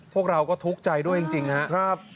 พวกเราก็ทุกข์ใจด้วยจริงครับ